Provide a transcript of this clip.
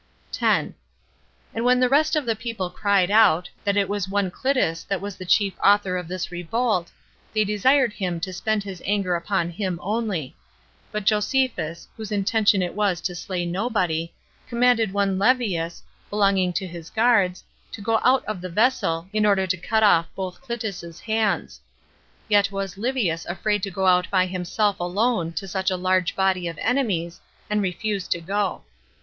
And when the rest of the people cried out, that it was one Clitus that was the chief author of this revolt, they desired him to spend his anger upon him [only]; but Josephus, whose intention it was to slay nobody, commanded one Levius, belonging to his guards, to go out of the vessel, in order to cut off both Clitus's hands; yet was Levius afraid to go out by himself alone to such a large body of enemies, and refused to go.